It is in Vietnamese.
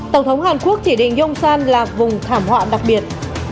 tổng thống hàn quốc chỉ định dông san là vùng thảm họa đặc biệt